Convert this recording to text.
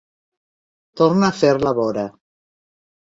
Torna a fer la vora.